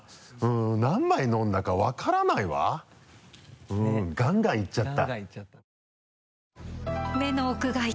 何杯飲んだか分からないわガンガンいっちゃった。